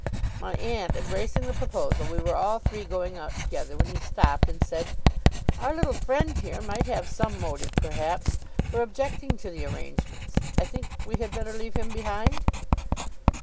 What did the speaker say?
My aunt embracing the proposal, we were all three going out together, when he stopped and said: 'Our little friend here might have some motive, perhaps, for objecting to the arrangements. I think we had better leave him behind?